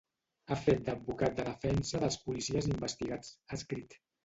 Ha fet d’advocat de defensa dels policies investigats, ha escrit.